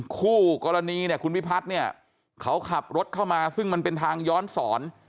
คู่กรณีเนี่ยคุณวิพัฒน์เนี่ยเขาขับรถเข้ามาซึ่งมันเป็นทางย้อนสอน